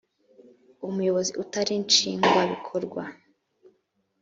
umuyobozi utari nshingwa bikorwa